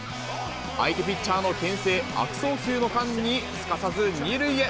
相手ピッチャーのけん制、悪送球の間にすかさず２塁へ。